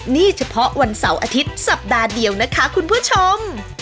นี่เฉพาะวันเสาร์อาทิตย์สัปดาห์เดียวนะคะคุณผู้ชม